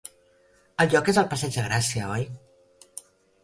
El lloc és al Passeig de Gràcia, oi?